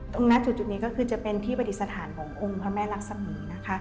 ตรงหน้าจุดนี้ก็คือจะเป็นที่ปฏิสถานขององค์พระแม่รักษมีนะคะ